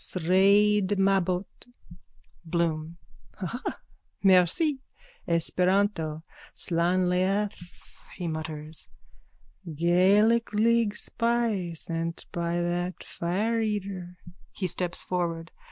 Sraid Mabbot. BLOOM: Haha. Merci. Esperanto. Slan leath. (He mutters.) Gaelic league spy, sent by that fireeater. _(He steps forward.